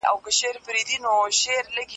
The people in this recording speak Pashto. خلګ اطاعت کاوه.